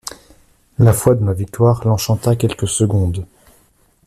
La foi dans la victoire l'enchanta quelques secondes.